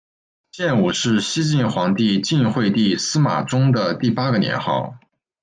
建武是西晋皇帝晋惠帝司马衷的第八个年号。